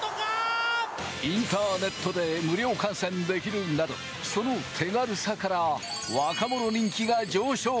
インターネットで無料観戦できるなど、その手軽さから若者人気が上昇。